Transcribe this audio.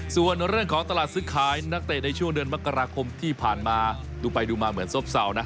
ส่วนเรื่องของตลาดซื้อขายนักเตะในช่วงเดือนมกราคมที่ผ่านมาดูไปดูมาเหมือนซบเศร้านะ